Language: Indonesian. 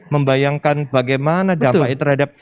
membayangkan bagaimana dampaknya terhadap